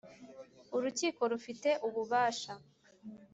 Urukiko rufite ububasha